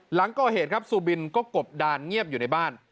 หลังก่อเหตุครับซูบินก็กบดานเงียบอยู่ในบ้าน